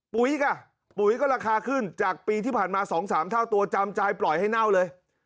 ปุ๋ยก่ะปุ๋ยก็ราคาขึ้นจากปีที่ผ่านมาสองสามเท่าตัวจำจายปล่อยให้เน่าเลย